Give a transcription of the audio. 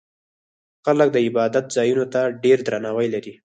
خلک د عبادت ځایونو ته ډېر درناوی لري.